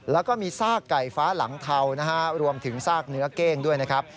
แล้วก็มีซากไก่ฟ้าหลังเทานะฮะรวมถึงซากเนื้อเก้งด้วยนะครับ